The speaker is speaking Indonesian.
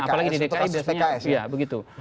apalagi di dki